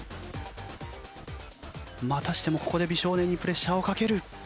またしてもここで美少年にプレッシャーをかける。